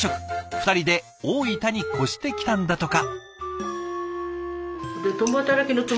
２人で大分に越してきたんだとか。